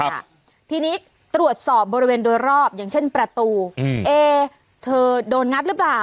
ค่ะทีนี้ตรวจสอบบริเวณโดยรอบอย่างเช่นประตูอืมเอ๊เธอโดนงัดหรือเปล่า